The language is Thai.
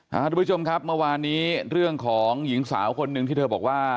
ทุกผู้ชมครับเมื่อวานนี้เรื่องของหญิงสาวคนหนึ่งที่เธอบอกว่า